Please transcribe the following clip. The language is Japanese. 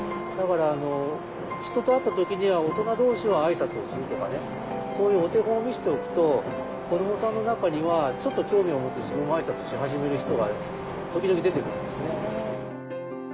だから人と会った時には大人同士はあいさつをするとかそういうお手本を見せておくと子どもさんの中にはちょっと興味を持って自分もあいさつし始める人が時々出てくるんですね。